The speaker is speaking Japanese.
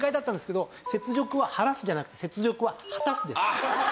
雪辱は「はらす」じゃなくて雪辱は「果たす」です。